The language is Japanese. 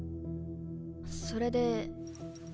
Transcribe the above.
それで。